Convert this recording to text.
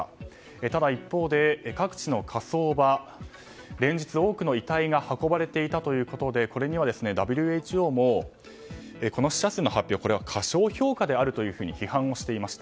ただ、一方で各地の火葬場、連日多くの遺体が運ばれていたということでこれにはＷＨＯも死者数の発表を過小評価であると批判をしていました。